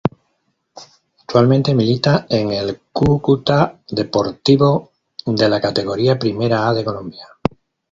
Actualmente milita en el Cúcuta Deportivo de la Categoría Primera A de Colombia.